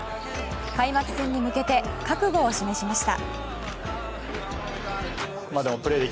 開幕戦に向けて覚悟を示しました。